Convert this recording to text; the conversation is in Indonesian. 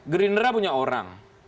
gerindra punya orang